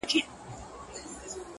خال دې په خيالونو کي راونغاړه’